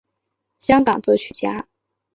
香港作曲家。